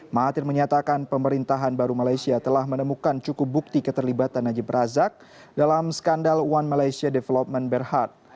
mahathir menyatakan pemerintahan baru malaysia telah menemukan cukup bukti keterlibatan najib razak dalam skandal one malaysia development berhad